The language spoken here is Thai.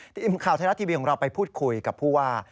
ทีมข่าวไทยรัฐทีวีของเราไปพูดคุยกับผู้ว่า